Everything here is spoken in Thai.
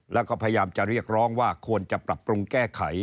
แล้วก็พยายามจะเรียกร้องว่าควรจะปรับปรุงแก้ไข